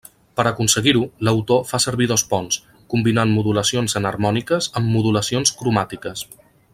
Per aconseguir-ho l'autor fa servir dos ponts, combinant modulacions enharmòniques amb modulacions cromàtiques.